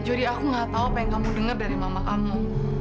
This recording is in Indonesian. aku gak tahu apa yang kamu dengar dari mama kamu